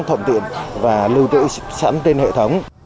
thuận tiện và lưu trữ sẵn trên hệ thống